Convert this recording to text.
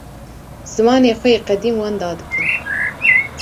zimanê xwe yê qedîm wenda dikin.